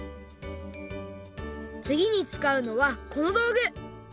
つぎにつかうのはこのどうぐ！